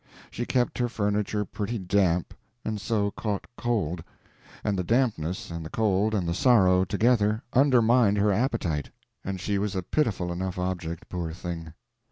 She kept her furniture pretty damp, and so caught cold, and the dampness and the cold and the sorrow together undermined her appetite, and she was a pitiful enough object, poor thing.